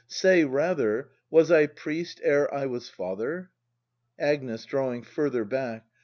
] Say rather: Was I priest ere I was father? Agnes. [Drawing further hack.